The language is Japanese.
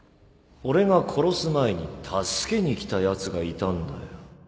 俺が殺す前に助けに来たやつがいたんだよ